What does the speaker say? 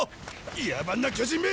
野蛮な巨人め！